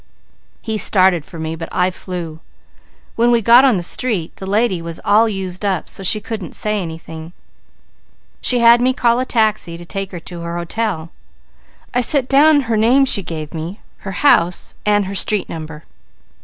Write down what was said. "He started for me, but I flew. When we got on the street, the lady was all used up so she couldn't say anything. She had me call a taxi to take her to her hotel. I set down her name she gave me, and her house and street number.